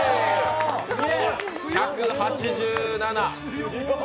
１８７。